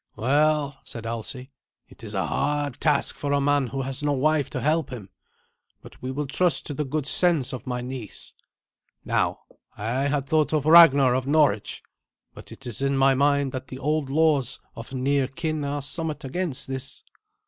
"Well," said Alsi, "it is a hard task for a man who has no wife to help him; but we will trust to the good sense of my niece. Now, I had thought of Ragnar of Norwich; but it is in my mind that the old laws of near kin are somewhat against this."